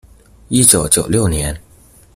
一九九六年